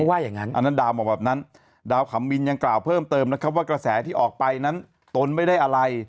ว่าอย่างนั้นอันนั้นดาวบอกแบบนั้นดาวขำมินยังกล่าวเพิ่มเติมนะครับว่ากระแสที่ออกไปนั้นตนไม่ได้อะไร